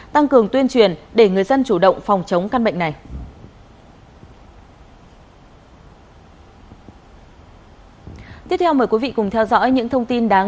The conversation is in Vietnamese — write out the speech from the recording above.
tăng cường tuyên truyền để người dân chủ động phòng chống căn bệnh này